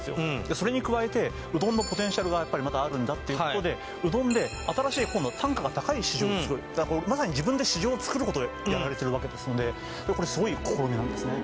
それに加えてうどんのポテンシャルがやっぱりまだあるんだっていうことでうどんで新しい今度単価が高い市場をつくるまさに自分で市場をつくることをやられてるわけですのでこれすごい試みなんですね